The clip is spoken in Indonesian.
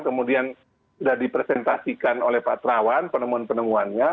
kemudian sudah dipresentasikan oleh pak terawan penemuan penemuannya